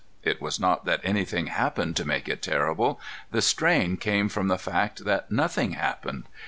It was not that anything happened to make it terrible. The strain came from the fact that nothing happened.